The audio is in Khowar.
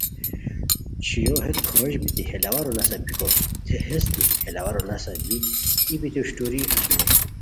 چھویو ہیت کھوشت بیتی ہے لاوارو نسہ بیکو تھے ہیس دی ہے لاوارو نسہ بی ای بیتی اوشٹوری اسونی